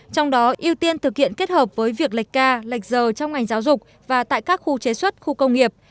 trong đó ưu tiên thực hiện kết hợp với việc lệch ca lệch giờ trong ngành giáo dục và tại các khu chế xuất khu công nghiệp